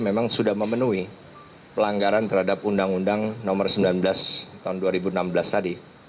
memang sudah memenuhi pelanggaran terhadap undang undang nomor sembilan belas tahun dua ribu enam belas tadi